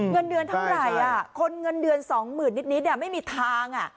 เงินเดือนเท่าไหร่คนเงินเดือน๒๐๐๐นิดไม่มีทาง